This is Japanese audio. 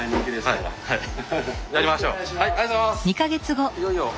ありがとうございます！